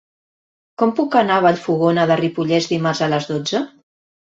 Com puc anar a Vallfogona de Ripollès dimarts a les dotze?